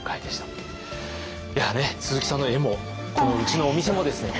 鈴木さんの絵もこのうちのお店もですね